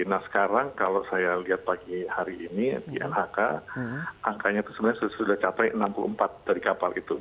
nah sekarang kalau saya lihat pagi hari ini di nhk angkanya itu sebenarnya sudah capai enam puluh empat dari kapal itu